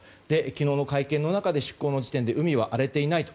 昨日の会見の中で出航の時点で海は荒れていないと。